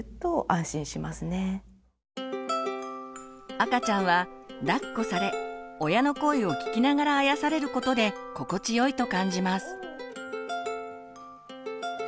赤ちゃんはだっこされ親の声を聞きながらあやされることで心地よいと感じます。